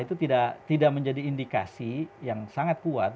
itu tidak menjadi indikasi yang sangat kuat